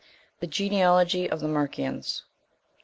THE GENEALOGY OF THE MERCIANS.